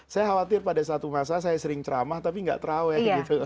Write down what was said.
saya khawatir pada suatu masa saya sering ceramah tapi gak terawet gitu